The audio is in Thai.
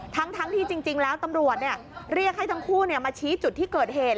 ทั้งที่จริงแล้วตำรวจเรียกให้ทั้งคู่มาชี้จุดที่เกิดเหตุ